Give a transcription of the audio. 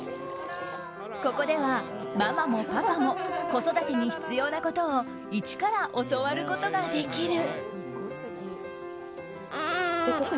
ここでは、ママもパパも子育てに必要なことを一から教わることができる。